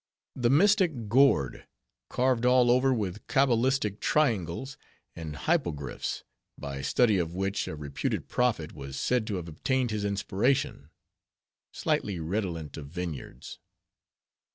The mystic Gourd; carved all over with cabalistic triangles, and hypogrifs; by study of which a reputed prophet, was said to have obtained his inspiration. (Slightly redolent of vineyards).